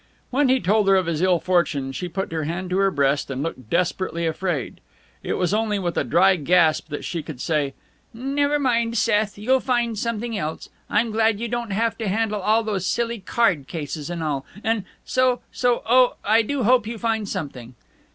When he told her of his ill fortune she put her hand to her breast and looked desperately afraid. It was only with a dry gasp that she could say: "Never mind, Seth, you'll find something else. I'm glad you don't have to handle all those silly card cases and all. And so so oh, I do hope you find something."